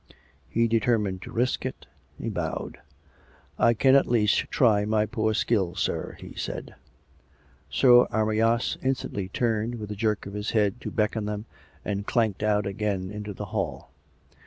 He determined to risk it. He bowed. " I can at least try my poor skill, sir," he said. Sir Amyas instantly turned, with a jerk of his head to beckon them, and clanked out again into the hall.